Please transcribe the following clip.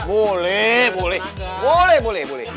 boleh boleh boleh boleh